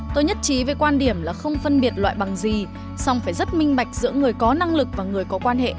tôi nhất trí về quan điểm là không phân biệt loại bằng gì song phải rất minh bạch giữa người có năng lực và người có quan hệ